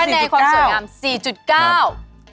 คะแนนความสวยงาม๔๙